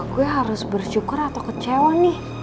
gue harus bersyukur atau kecewa nih